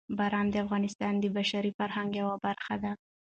باران د افغانستان د بشري فرهنګ یوه برخه ده.